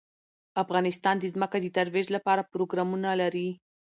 افغانستان د ځمکه د ترویج لپاره پروګرامونه لري.